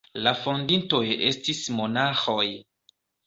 La fondintoj estis monaĥoj.